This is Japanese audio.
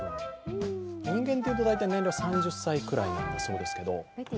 人間でいうとだいたい年齢は３０歳くらいなんですけど。